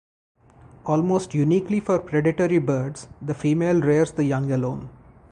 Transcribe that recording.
Almost uniquely for predatory birds, the female rears the young alone.